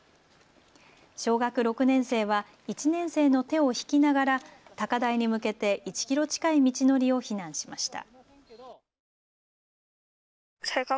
小学６年生は１年生の手を引きながら高台に向けて１キロ近い道のりを避難しました。